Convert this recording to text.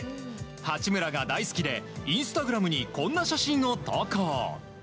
八村が大好きでインスタグラムにこんな写真を投稿。